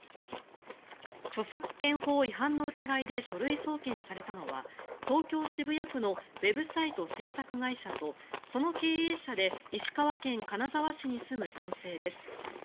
著作権法違反の疑いで書類送検されたのは東京・渋谷区のウェブサイト制作会社とその経営者で石川県金沢市に住む男性です。